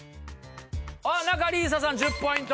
仲里依紗さん１０ポイント。